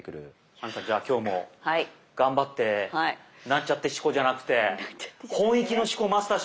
亜美さんじゃあ今日も頑張ってなんちゃって四股じゃなくてホンイキの四股マスターしますか！